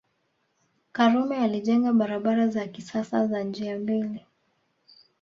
Karume alijenga barabara za kisasa za njia mbili